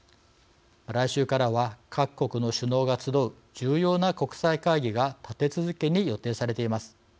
来週からは各国の首脳が集う重要な国際会議が立て続けに予定されています。